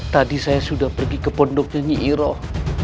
tadi saya sudah pergi ke pondoknya nyi iroh